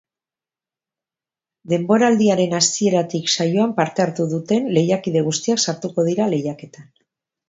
Denboraldiaren hasieratik saioan parte hartu duten lehiakide guztiak sartuko dira lehiaketan.